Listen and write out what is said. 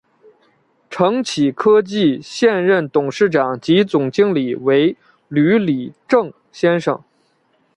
承启科技现任董事长暨总经理为吕礼正先生。